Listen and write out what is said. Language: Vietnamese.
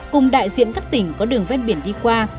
cùng đại diện các tỉnh có đường ven biển đi qua